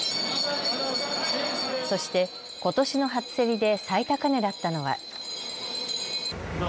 そして、ことしの初競りで最高値だったのは。